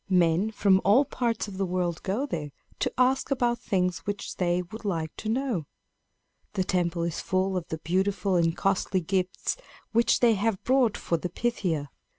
Men from all parts of the world go there to ask about things which they would like to know. The temple is full of the beautiful and costly gifts which they have brought for the Pythia.